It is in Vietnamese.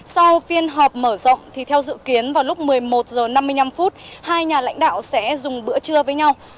sau phiên họp mở rộng thì theo dự kiến vào lúc một mươi một h năm mươi năm hai nhà lãnh đạo sẽ dùng bữa trưa với nhau